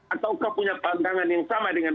ataukah punya pandangan yang sama dengan